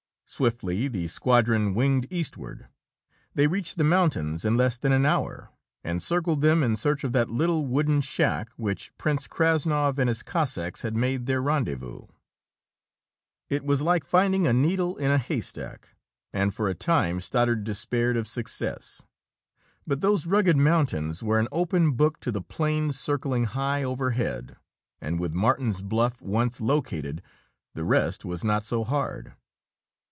Swiftly the squadron winged eastward. They reached the mountains in less than an hour, and circled them in search of that little wooden shack which Prince Krassnov and his Cossacks had made their rendezvous.... It was like finding a needle in a haystack, and for a time Stoddard despaired of success. But those rugged mountains were an open book to the planes circling high overhead, and with Martin's Bluff once located, the rest was not so hard.